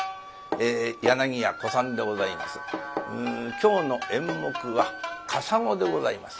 今日の演目は「笠碁」でございます。